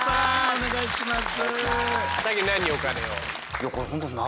お願いします。